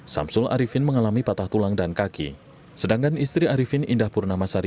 keempat korban mengalami luka serius